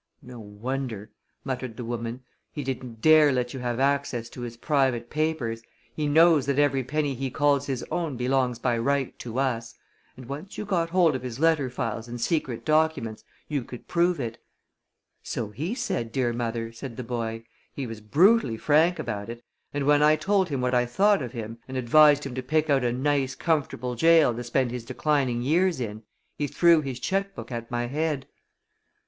"No wonder!" muttered the woman. "He didn't dare let you have access to his private papers. He knows that every penny he calls his own belongs by right to us, and once you got hold of his letter files and secret documents you could prove it." "So he said, mother dear," said the boy. "He was brutally frank about it, and when I told him what I thought of him, and advised him to pick out a nice, comfortable jail to spend his declining years in, he threw his check book at my head."